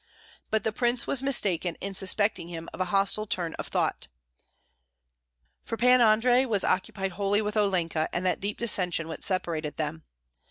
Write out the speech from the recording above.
But the prince was mistaken in suspecting him of a hostile turn of thought, for Pan Andrei was occupied wholly with Olenka and that deep dissension which separated them.